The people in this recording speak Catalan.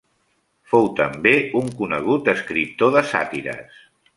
Fou també un conegut escriptor de sàtires.